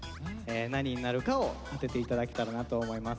何になるかを当てて頂けたらなと思います。